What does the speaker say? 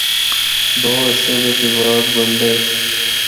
دو حصیاں بچ ایواڈ بنڈے۔